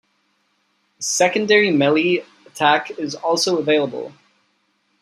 A secondary melee attack is also available.